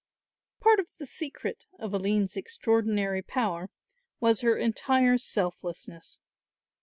Part of the secret of Aline's extraordinary power was her entire selflessness.